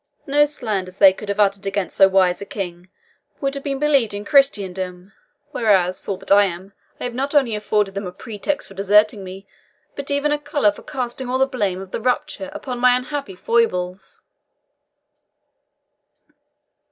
"No slanders they could have uttered against so wise a king would have been believed in Christendom; whereas fool that I am! I have not only afforded them a pretext for deserting me, but even a colour for casting all the blame of the rupture upon my unhappy foibles."